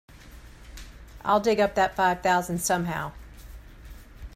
I'll dig up that five thousand somehow.